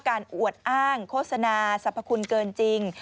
อวดอ้างโฆษณาสรรพคุณเกินจริง